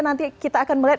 nanti kita akan melihat